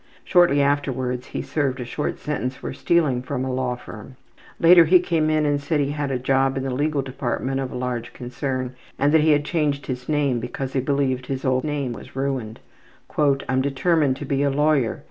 Shortly afterwards he served a short sentence for stealing from a law firm. Later he came in and said he had a job in the legal department of a large concern and that he had changed his name because he believed his old name was ruined. ``I'm determined to be a lawyer.